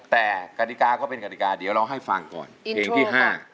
แต่กฎิกาก็เป็นกฎิกาเดี๋ยวเราให้ฟังก่อนเพลงที่๕